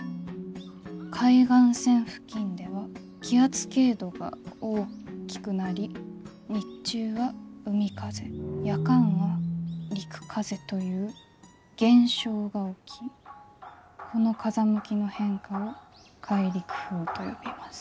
「海岸線付近では気圧傾度が大きくなり日中は海風夜間は陸風という現象が起きこの風向きの変化を海陸風と呼びます」。